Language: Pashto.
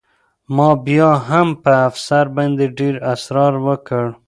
ما بیا هم په افسر باندې ډېر اسرار وکړ